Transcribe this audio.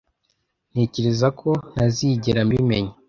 Ntekereza ko ntazigera mbimenya